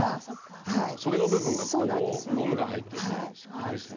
そでの部分がゴムが入っていてしっかりしてますね。